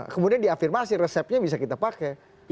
kemudian diafirmasi resepnya bisa kita pakai